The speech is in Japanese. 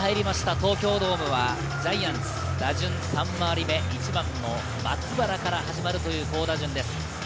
東京ドームはジャイアンツ打順３回り目、１番の松原から始まります。